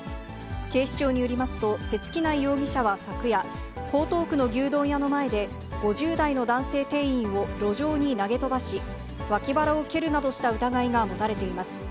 警視庁によりますと、瀬月内容疑者は昨夜、江東区の牛丼屋の前で、５０代の男性店員を路上に投げ飛ばし、脇腹を蹴るなどした疑いが持たれています。